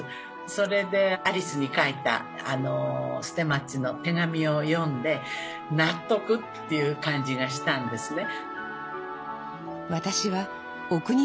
それでアリスに書いた捨松の手紙を読んで納得っていう感じがしたんですね。